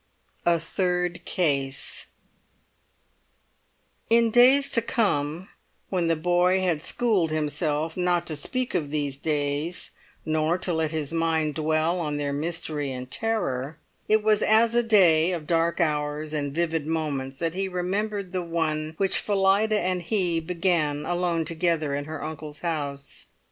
A THIRD CASE In days to come, when the boy had schooled himself not to speak of these days, nor to let his mind dwell on their mystery and terror, it was as a day of dark hours and vivid moments that he remembered the one which Phillida and he began alone together in her uncle's house.